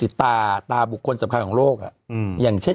ดูตาบุคคลสำคัญมาก